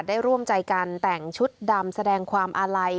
ร่วมใจกันแต่งชุดดำแสดงความอาลัย